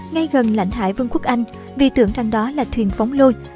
ngay gần lãnh hải vương quốc anh vì tưởng rằng đó là thuyền phóng lôi